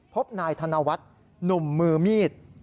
พบนายธนวัฒน์หนุ่มมือมีด